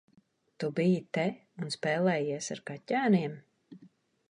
Tu biji te un spēlējies ar kaķēniem?